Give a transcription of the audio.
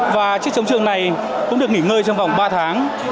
và chiếc chống trường này cũng được nghỉ ngơi trong vòng ba tháng